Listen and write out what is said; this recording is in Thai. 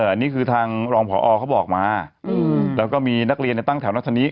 อันนี้คือทางรองพอเขาบอกมาแล้วก็มีนักเรียนตั้งแถวรัชนี